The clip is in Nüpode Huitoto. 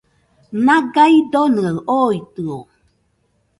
Naga idonɨaɨ oitɨo